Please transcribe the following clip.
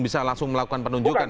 bisa langsung melakukan penunjukan